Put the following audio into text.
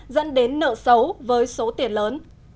dẫn đến nợ xấu với số tiền lớn